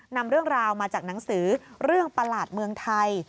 นำเรื่องราวมาจากหนังสือเรื่องประหลาดเมืองไทย